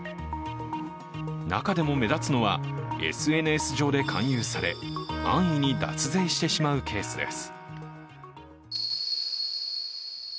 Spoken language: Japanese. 中でも目立つのはＳＮＳ上で勧誘され、安易に脱税してしまうケースです。